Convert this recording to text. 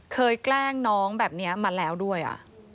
แกล้งน้องแบบนี้มาแล้วด้วย